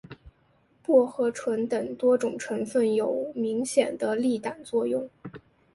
薄荷醇等多种成分有明显的利胆作用。